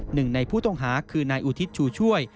หนึ่งในผู้ต้องหาคือนายอุทิศชูช่วย